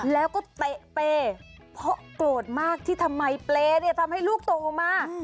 แล้วก็เตะเปล่าเพราะโกรธมากที่ทำไมเปล่าทำให้ลูกตกออกมา